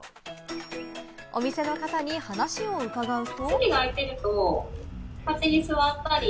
お店の方に話を伺うと。